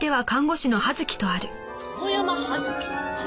「殿山葉月」？